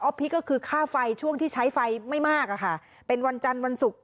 พีคก็คือค่าไฟช่วงที่ใช้ไฟไม่มากอะค่ะเป็นวันจันทร์วันศุกร์